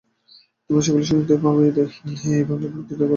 তোমরা সকলে শুনিতে পাও, এইভাবে বক্তৃতা করা আর অসম্ভব হইয়া পড়িয়াছে।